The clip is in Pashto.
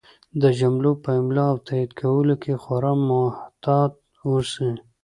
د جملو په املا او تایید کولو کې خورا محتاط اوسئ!